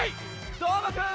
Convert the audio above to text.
どーもくん！